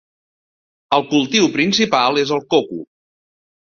El cultiu principal és el coco.